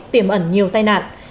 tiềm ẩn nhiều tai nạn